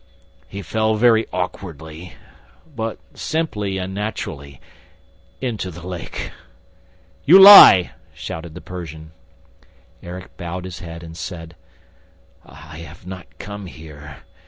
He fell very awkwardly ... but simply and naturally ... into the lake! ..." "You lie!" shouted the Persian. Erik bowed his head and said: "I have not come here